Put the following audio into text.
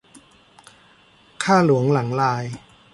ข้าหลวงหลังลาย